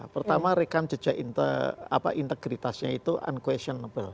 pertama rekam jejak integritasnya itu unquestionnable